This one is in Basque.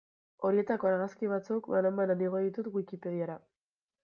Horietako argazki batzuk, banan-banan, igo ditut Wikipediara.